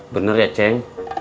bener ya ceng